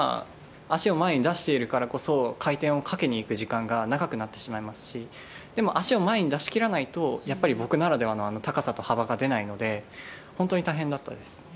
足を前に出しているからこそ、回転をかけにいく時間が長くなってしまいますし、でも、足を前に出しきらないと、やっぱり僕ならではのあの高さと幅が出ないので、本当に大変だったです。